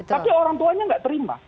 tapi orang tuanya nggak terima